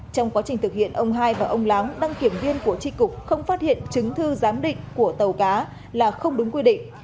trong quá trình thực hiện ông hai và ông láng đăng kiểm viên của tri cục không phát hiện chứng thư giám định của tàu cá là không đúng quy định